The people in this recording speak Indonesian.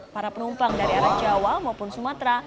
para penumpang dari arah jawa maupun sumatera